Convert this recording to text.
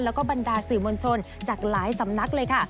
แล้วก็บรรดาสื่อมวลชนจากหลายสำนักเลยค่ะ